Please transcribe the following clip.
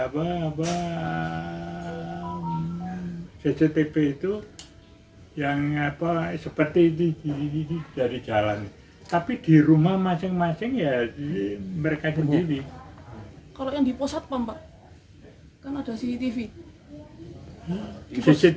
kalau yang di jalan atau di pos